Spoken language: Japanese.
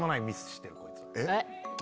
えっ？